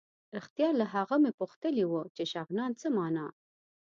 رښتیا له هغه مې پوښتلي وو چې شغنان څه مانا.